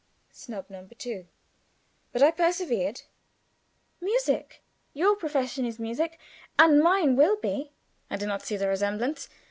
Snub number two. But I persevered. "Music. Your profession is music, and mine will be." "I do not see the resemblance.